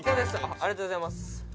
ありがとうございます」